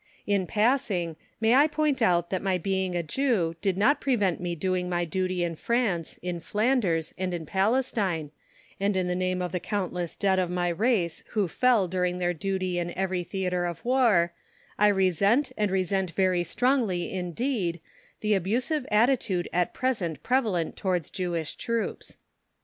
In passing, may I point out that my being a Jew did not prevent me doing my duty in France, in Flanders, and in Palestine, and in the name of the countless dead of my race who fell doing their duty in every theatre of war, I resent, and resent very strongly indeed, the abusive attitude at present prevalent towards Jewish troops.